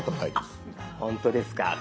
あっほんとですか？